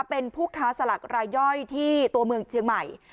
เป็นผู้ค้าสลากรายย่อยที่ตัวเมืองเชียงใหม่